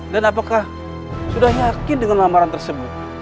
dan apakah sudah yakin dengan lamaran tersebut